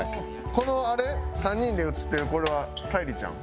このあれ３人で写ってるこれは沙莉ちゃん？